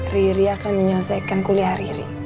riri akan menyelesaikan kuliah riri